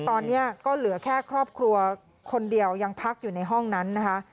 ตอนนี้ก็เหลือแค่ครอบครัวคนเดียวยังพักอยู่ในห้องนั้นนะคะ